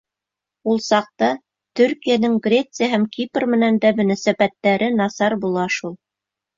Ул саҡта Төркиәнең Греция һәм Кипр менән дә мөнәсәбәттәре насар була шул.